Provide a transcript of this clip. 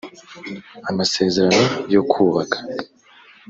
amasezerano yo kubaka